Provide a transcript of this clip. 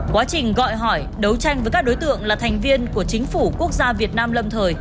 quá trình gọi hỏi đấu tranh với các đối tượng là thành viên của chính phủ quốc gia việt nam lâm thời